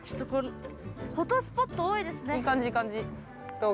フォトスポットが多いですね。